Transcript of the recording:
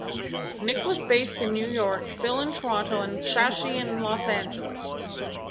Nick was based in New York, Phil in Toronto and Shashi in Los Angeles.